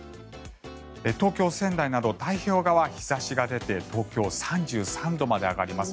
東京、仙台など太平洋側日差しが出て東京３３度まで上がります。